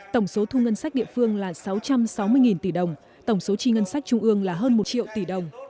tổng số thu ngân sách địa phương là sáu trăm sáu mươi tỷ đồng tổng số chi ngân sách trung ương là hơn một triệu tỷ đồng